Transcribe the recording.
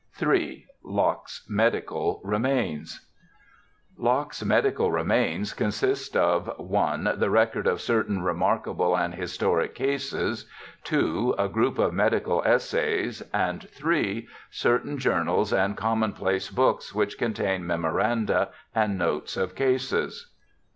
8o BIOGRAPHICAL ESSAYS III. Locke's Medical Remains Locke's medical remains consist of (i) the record of certain remarkable and historic cases; {2) a group of medical essays ; and (3) certain journals and common place books which contain memoranda and notes of cases.